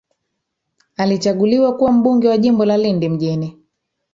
alichanguliwa kuwa mbunge wa jimbo la lindi mjini